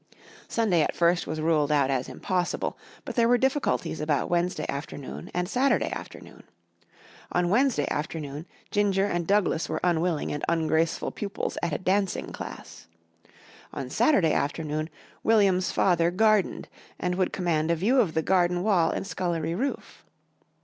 Sunday at first was ruled out as impossible. But there were difficulties about Wednesday afternoon and Saturday afternoon. On Wednesday afternoon Ginger and Douglas were unwilling and ungraceful pupils at a dancing class. On Saturday afternoon William's father gardened and would command a view of the garden wall and scullery roof.